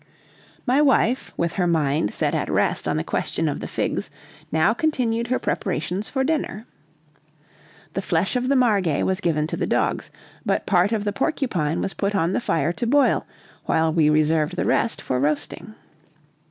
My wife, with her mind set at rest on the question of the figs, now continued her preparations for dinner. The flesh of the margay was given to the dogs, but part of the porcupine was put on the fire to boil, while we reserved the rest for roasting.